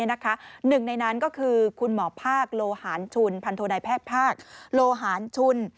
หนึ่งในนั้นก็คือคุณหมอภาคโลหารชุนพันโทนายแพทย์ภาคโลหารชุน